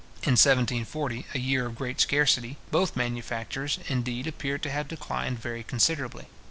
In 1740, a year of great scarcity, both manufactures, indeed, appear to have declined very considerably.